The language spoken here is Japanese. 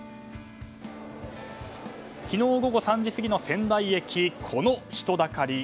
昨日午後３時過ぎの仙台駅この人だかり。